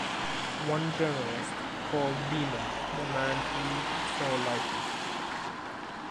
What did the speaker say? One journalist called Beamon the man who saw lightning.